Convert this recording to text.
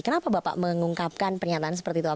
kenapa bapak mengungkapkan pernyataan seperti itu